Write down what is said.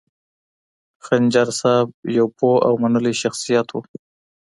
خنجر صاحب یو پوه او منلی شخصیت و.